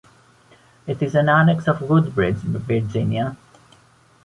It is an annex of Woodbridge, Virginia.